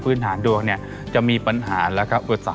พื้นฐานดวงเนี่ยจะมีปัญหาและอุตสัก